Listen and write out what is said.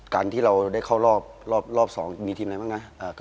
การที่เราได้เข้ารอบ๒มีทีมไหนบ้างนะ